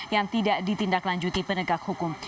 yang tidak ditindaklanjuti penegak hukum